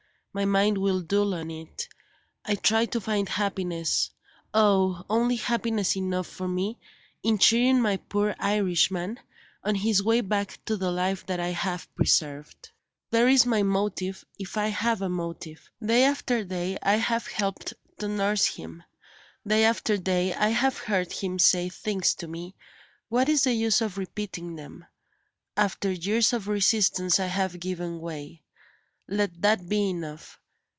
My mind will dwell on it. I try to find happiness oh, only happiness enough for me in cheering my poor Irishman, on his way back to the life that I have preserved. There is my motive, if I have a motive. Day after day I have helped to nurse him. Day after day I have heard him say things to me what is the use of repeating them? After years of resistance I have given way; let that be enough.